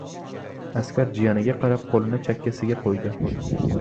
Askar jiyaniga qarab qo‘lini chakkasiga qo‘ydi.